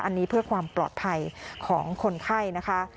อันนี้เพื่อความปลอดภัยของคนไข้นะคะ